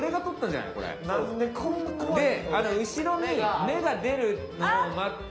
で後ろに目が出るのを待って。